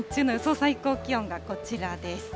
最高気温がこちらです。